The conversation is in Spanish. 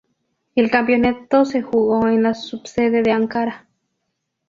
El campeonato se jugó en la subsede de Ankara.